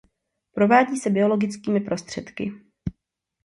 Provádí se biologickými prostředky.